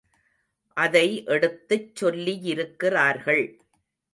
அதை எடுத்துச் சொல்லியிருக்கிறார்கள்.